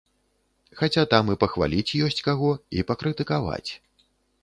Хаця там і пахваліць ёсць каго, і пакрытыкаваць.